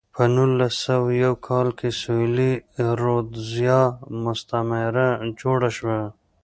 په نولس سوه یو کال کې سویلي رودزیا مستعمره جوړه شوه.